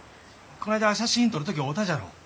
こないだ写真撮る時会うたじゃろう。